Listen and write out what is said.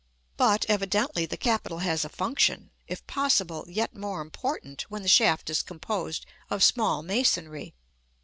But, evidently, the capital has a function, if possible, yet more important, when the shaft is composed of small masonry.